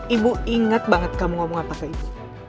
ibu inget banget kamu ngomong apa ke ibu